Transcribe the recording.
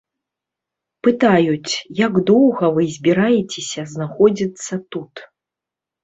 Пытаюць, як доўга вы збіраецеся знаходзіцца тут.